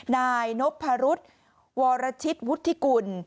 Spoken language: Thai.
นายนพรุษวรชิตวุฒิกุล